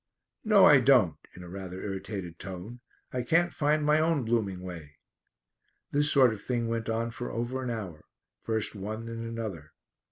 "No, I don't," in a rather irritated tone. "I can't find my own blooming way." This sort of thing went on for over an hour; first one then another.